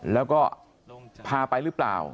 แล้วก็พาไปหรือเปล่า